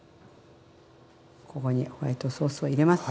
ここにホワイトソースを入れます。